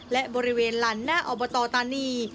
และบริเวณลานหน้าอบตตานี